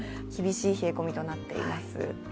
厳しい冷え込みとなっています。